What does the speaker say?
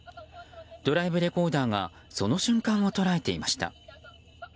ドライブレコーダーがその瞬間を捉えていました。